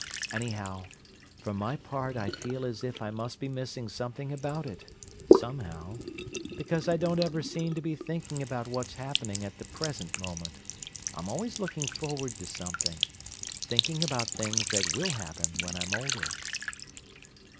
Anyhow, for my part I feel as if I must be missing something about it, somehow, because I don't ever seem to be thinking about what's happening at the present moment; I'm always looking forward to something—thinking about things that will happen when I'm older."